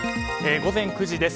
午前９時です。